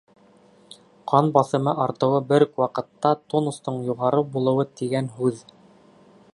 Ҡан баҫымы артыуы бер үк ваҡытта тонустың юғары булыуы тигән һүҙ.